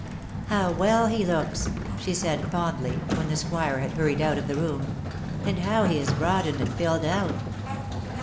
" How well he looks \" she said, fondly, when the squire had hurried out of the room ;" and how he has broadened and filled out.